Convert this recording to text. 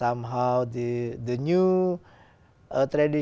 anh thường làm gì